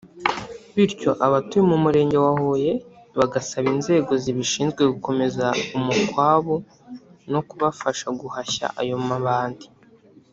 Bityo abatuye mu murenge wa Huye bagasaba inzego zibishinzwe gukomeza umukwabu no kubafasha guhashya ayo mabandi